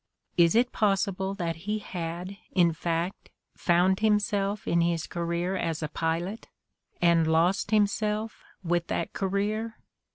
Is it possible that he had, in fact, found himself in his career as a pilot and lost himself with that career?